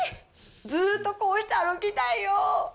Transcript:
ずーっとこうして歩きたいよ。